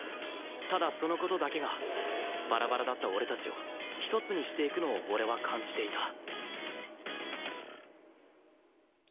ただその事だけがバラバラだった俺たちを１つにしていくのを俺は感じていた